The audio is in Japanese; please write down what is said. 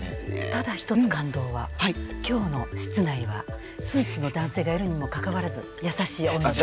ただ一つ感動は今日の室内はスーツの男性がいるにもかかわらず優しい温度です。